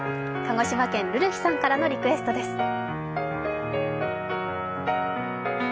鹿児島県るるひさんからのリクエストです。